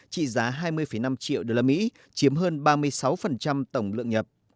trị giá hai mươi năm trăm linh usd chiếm hơn ba mươi sáu tổng lượng nhập